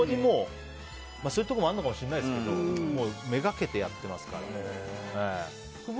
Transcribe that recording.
そういうところもあるかもしれないですけどめがけてやってますから。